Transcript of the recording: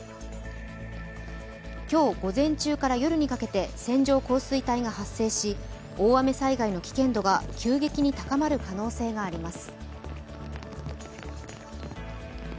今日午前中から夜にかけて線状降水帯が発生し大雨災害の危険度が急激に高まる可能性があります。